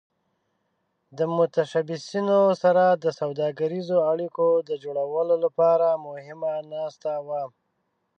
د متشبثینو سره د سوداګریزو اړیکو د جوړولو لپاره مهمه ناسته وه.